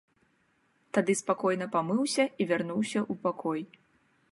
Тады спакойна памыўся і вярнуўся ў пакой.